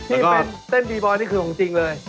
ที่เป็นเต้นบีบอยนี่คือของจริงเลย